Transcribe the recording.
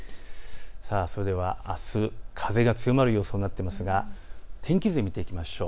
それではあす風が強まる予想となっていますが天気図を見ていきましょう。